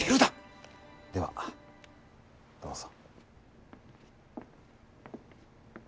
ではどうぞ。